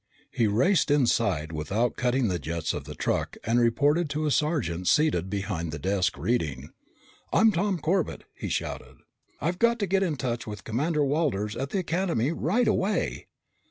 He raced inside without cutting the jets of the truck and reported to a sergeant seated behind the desk, reading. "I'm Cadet Tom Corbett!" he shouted. "I've got to get in touch with Commander Walters at the Academy right away."